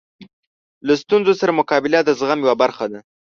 له ستونزو سره مقابله د زغم یوه برخه ده.